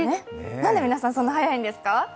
なんで皆さん、そんなに早いんですか？